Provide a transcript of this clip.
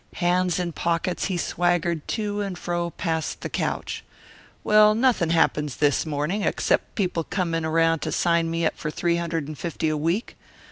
Hands in pockets he swaggered to and fro past the couch. "Well, nothing happens this morning except people coming around to sign me up for three hundred and fifty a week.